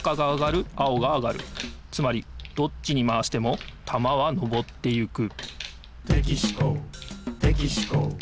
つまりどっちにまわしてもたまはのぼっていく「」